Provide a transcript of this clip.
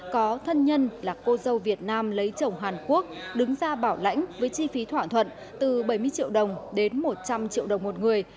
có thân nhân là cô dâu việt nam lấy chồng hàn quốc đứng ra bảo lãnh với chi phí thỏa thuận từ bảy mươi triệu đồng đến một trăm linh triệu đồng một người